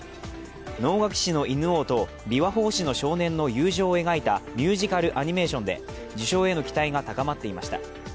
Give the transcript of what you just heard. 能楽師の犬王と琵琶法師の少年の友情を描いたミュージカルアニメーションで受賞への期待が高まっていました。